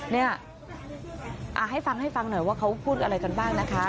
เนี่ยให้ฟังให้ฟังหน่อยว่าเขาพูดอะไรกันบ้างนะคะ